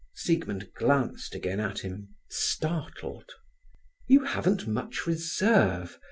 Siegmund glanced again at him, startled. "You haven't much reserve.